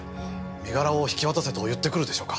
身柄を引き渡せと言ってくるでしょうか？